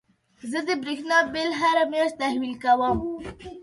زه د برېښنا بيل هره مياشت تحويل کوم.